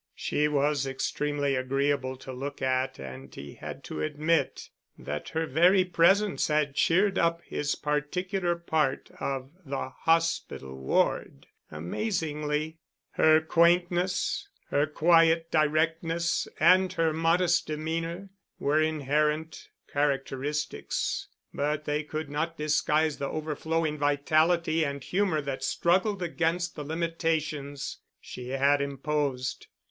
She was extremely agreeable to look at and he had to admit that her very presence had cheered up his particular part of the hospital ward amazingly. Her quaintness, her quiet directness and her modest demeanor, were inherent characteristics, but they could not disguise the overflowing vitality and humor that struggled against the limitations she had imposed.